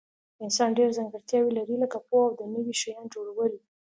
انسانان ډیر ځانګړتیاوي لري لکه پوهه او د نوي شیانو جوړول